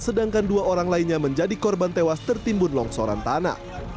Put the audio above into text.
sedangkan dua orang lainnya menjadi korban tewas tertimbun longsoran tanah